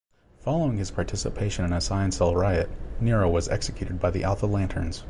Following his participation in a Sciencell riot, Nero was executed by the Alpha Lanterns.